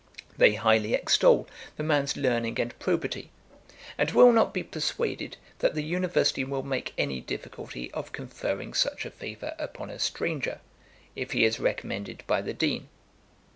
They highly extol the man's learning and probity; and will not be persuaded, that the University will make any difficulty of conferring such a favour upon a stranger, if he is recommended by the Dean.